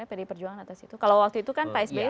pdi perjuangan atas itu kalau waktu itu kan pak sby